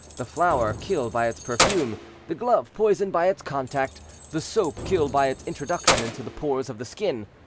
the flower kill by its perfume, the glove poison by its contact, the soap kill by its introduction into the pores of the skin.